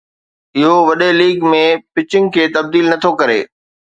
اهو وڏي league ۾ pitching کي تبديل نٿو ڪري